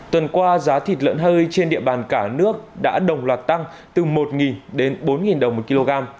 tuần qua giá thịt lợn hơi trên địa bàn cả nước đã đồng loạt tăng từ một đến bốn đồng một kg